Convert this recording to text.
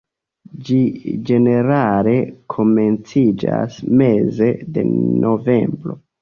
Ĝi ĝenerale komenciĝas meze de novembro.